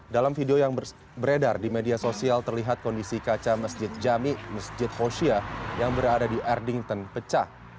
dalam video yang beredar di media sosial terlihat kondisi kaca masjid jami masjid khosya yang berada di erdington pecah